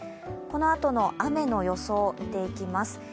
このあとの雨の予想、見ていきます。